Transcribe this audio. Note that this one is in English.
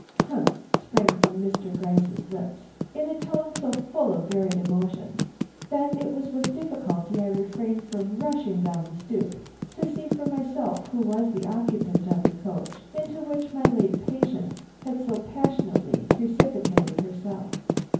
"Humph!" sprang from Mr. Gryce's lips in a tone so full of varied emotions that it was with difficulty I refrained from rushing down the stoop to see for myself who was the occupant of the coach into which my late patient had so passionately precipitated herself.